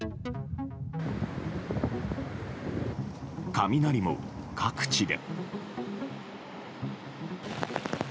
雷も、各地で。